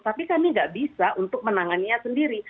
tapi kami nggak bisa untuk menanganinya sendiri